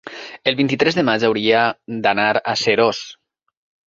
el vint-i-tres de maig hauria d'anar a Seròs.